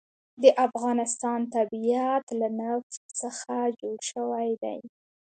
د افغانستان طبیعت له نفت څخه جوړ شوی دی.